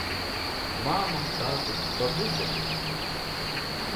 Мама, тато, бабуся ще.